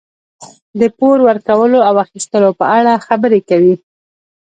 د پور ورکولو او اخیستلو په اړه خبرې کوي.